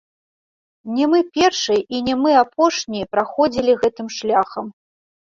Не мы першыя і не мы апошнія праходзілі гэтым шляхам.